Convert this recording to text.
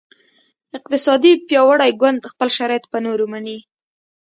اقتصادي پیاوړی ګوند خپل شرایط په نورو مني